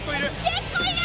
結構いる！